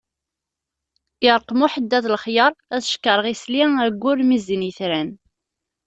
Yeṛqem uḥeddad lexyar, ad cekkreɣ isli ayyur mi zzin yetran.